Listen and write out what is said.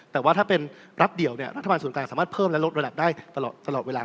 แต่ว่าถ้าเป็นรัฐเดียวเนี่ยรัฐบาลศูนย์กลางสามารถเพิ่มและลดระดับได้ตลอดเวลา